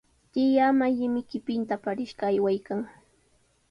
Tiyaa Mallimi qipinta aparishqa aywaykan.